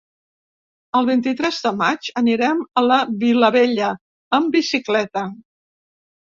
El vint-i-tres de maig anirem a la Vilavella amb bicicleta.